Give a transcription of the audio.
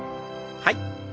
はい。